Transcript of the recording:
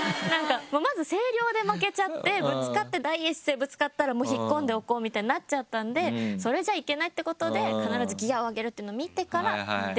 まず声量で負けちゃってぶつかって第一声ぶつかったらもう引っ込んでおこうみたいになっちゃったんでそれじゃいけないってことで必ず「ギアを上げる！！！」っていうのを。